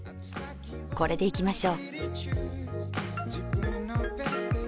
これでいきましょ。